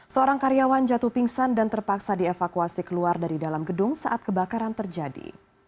seorang karyawan jatuh pingsan dan terpaksa dievakuasi keluar dari dalam gedung saat kebakaran terjadi